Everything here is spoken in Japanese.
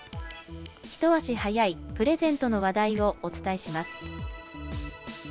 一足早いプレゼントの話題をお伝えします。